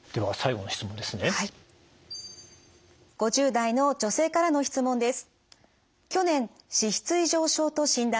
５０代の女性からの質問です。